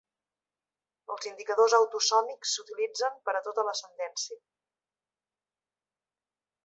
Els indicadors autosòmics s'utilitzen per a tota l'ascendència.